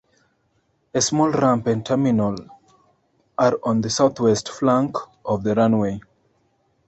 A small ramp and terminal are on the southwest flank of the runway.